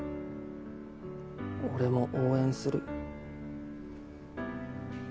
俺も応援する。